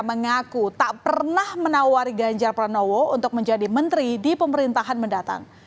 mengaku tak pernah menawari ganjar pranowo untuk menjadi menteri di pemerintahan mendatang